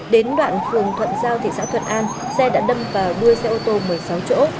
đến đoạn phường thuận giao thị xã thuận an xe đã đâm vào đuôi xe ô tô một mươi sáu chỗ